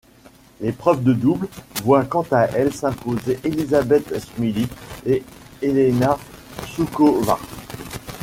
L'épreuve de double voit quant à elle s'imposer Elizabeth Smylie et Helena Suková.